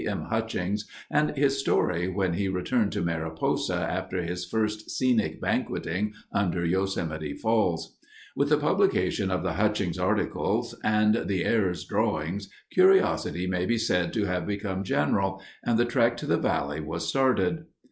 M. Hutchings and his story when he returned to Mariposa after his first "scenic banqueting" under Yosemite walls. With the publication of the Hutchings articles and the Ayres drawings, curiosity may be said to have become general, and the trek to the valley was started.